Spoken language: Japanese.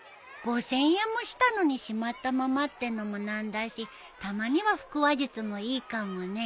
５，０００円もしたのにしまったままってのも何だしたまには腹話術もいいかもね。